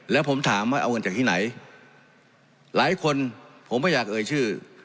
แล้วผมถามว่าเอาเงินจากที่ไหนหลายคนผมไม่อยากเอ่ยชื่อ